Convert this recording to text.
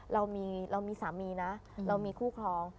เรามีสามีนะเรามีคู่ครอง